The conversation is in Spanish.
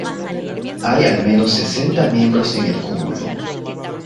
Hay al menos sesenta miembros en el cúmulo.